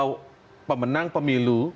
kok pemenang pemilu